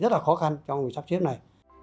rất là khó khăn cho người sắp xếp này